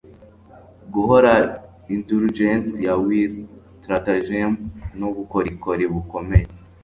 Guhora indulgence ya wily stratagem nubukorikori bukomeye